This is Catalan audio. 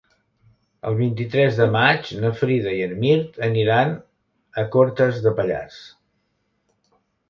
El vint-i-tres de maig na Frida i en Mirt aniran a Cortes de Pallars.